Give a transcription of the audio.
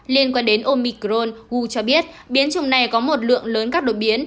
liên quan đến omicron who cho biết biến chủng này có một lượng lớn các đội biến